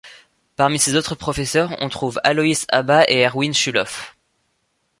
Parmi ses autres professeurs, on trouve Alois Hába et Erwin Schulhoff.